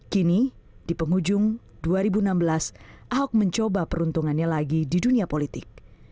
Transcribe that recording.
kini di penghujung dua ribu enam belas ahok mencoba peruntungannya lagi di dunia politik